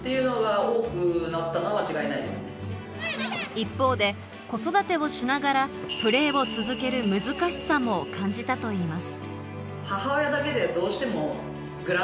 一方で、子育てをしながらプレーを続ける難しさも感じたといます。